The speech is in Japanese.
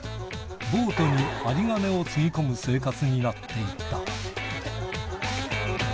ボートに有り金をつぎ込む生活になっていった。